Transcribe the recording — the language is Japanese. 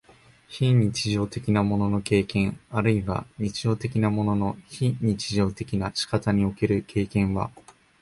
非日常的なものの経験あるいは日常的なものの非日常的な仕方における経験は、